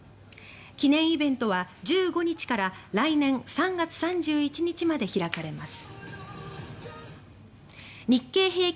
記念イベントは１５日から来年３月３１日まで開かれます。